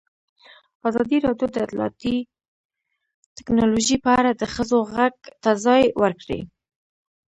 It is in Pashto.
ازادي راډیو د اطلاعاتی تکنالوژي په اړه د ښځو غږ ته ځای ورکړی.